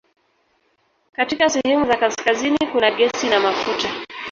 Katika sehemu za kaskazini kuna gesi na mafuta.